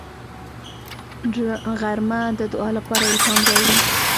غرمه د دعا لپاره الهام راوړي